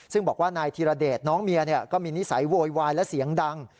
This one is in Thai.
ซึ่งบอกว่านายธีรเดชน้องเมียก็มีนิสัยโวยวายและเสียงดัง